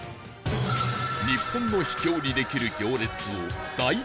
日本の秘境にできる行列を大調査